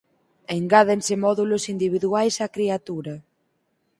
Engádense módulos individuais á criatura.